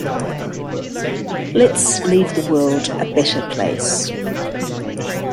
Let's leave the world a better place.